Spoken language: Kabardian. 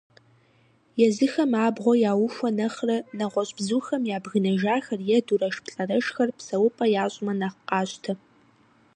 Езыхэм абгъуэ яухуэ нэхърэ, нэгъуэщӀ бзухэм ябгынэжахэр е дурэшплӀэрэшхэр псэупӀэ ящӀмэ нэхъ къащтэ.